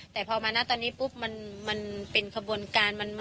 แต่พอมานะตอนนี้ปุ๊บมันเป็นขบวนการ